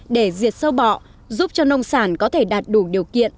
để diệt sâu bọ giúp cho nông sản có thể đạt đủ điều kiện